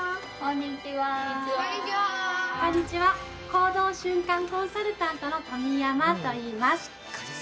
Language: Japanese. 行動習慣コンサルタントの冨山といいます。